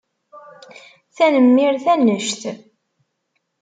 Tanemmirt annect!